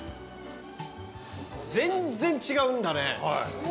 全然違うんだね。